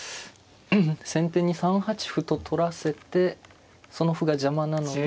先手に３八歩と取らせてその歩が邪魔なので。